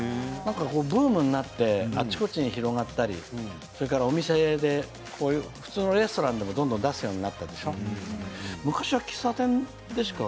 ブームになってあちこちに広がったり普通のレストランでもどんどん出すようになったでしょ。